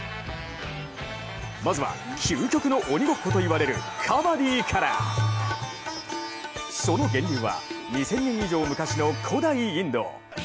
まずは究極の鬼ごっこといわれるカバディからその源流は、２０００年以上昔の古代インド。